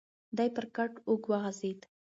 دی پر کټ اوږد وغځېد.